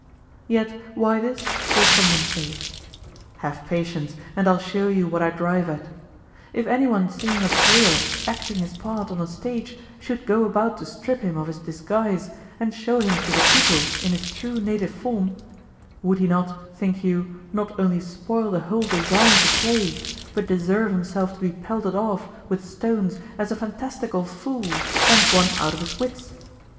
Yet why this? will someone say. Have patience, and I'll show you what I drive at. If anyone seeing a player acting his part on a stage should go about to strip him of his disguise and show him to the people in his true native form, would he not, think you, not only spoil the whole design of the play, but deserve himself to be pelted off with stones as a phantastical fool and one out of his wits?